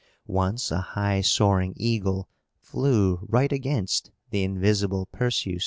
Once, a high soaring eagle flew right against the invisible Perseus.